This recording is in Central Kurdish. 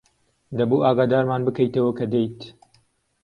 دەبوو ئاگادارمان بکەیتەوە کە دێیت.